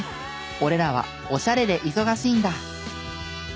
俺らはオシャレで忙しいんだ」。